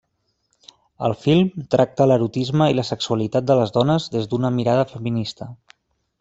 El film tracta l'erotisme i la sexualitat de les dones des d'una mirada feminista.